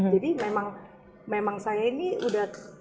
jadi memang saya ini udah kebiasaan